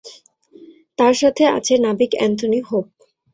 তার সাথে আছে নাবিক অ্যান্থনি হোপ।